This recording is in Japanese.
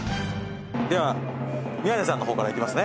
では宮根さんの方からいきますね。